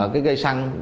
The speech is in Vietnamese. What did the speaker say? cái gây săn